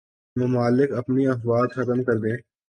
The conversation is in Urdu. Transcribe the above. ممالک اپنی افواج ختم کر دیں